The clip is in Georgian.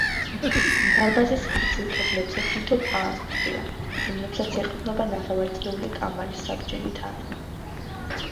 დარბაზის გრძივ კედლებზე თითო პილასტრია, რომლებსაც ეყრდნობა ნახევარწრიული კამარის საბჯენი თაღი.